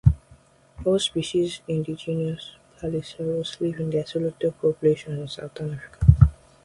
All species in the genus "Platysaurus" live in isolated populations in southern Africa.